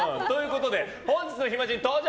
本日の暇人、登場！